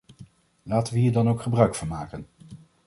Laten we hier dan ook gebruik van maken!